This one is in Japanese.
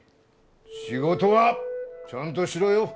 仕事はちゃんとしろよ！